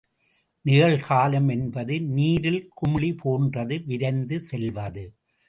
நிகழ்காலம் என்பது நீரில் குமிழி போன்றது விரைந்து செல்வது.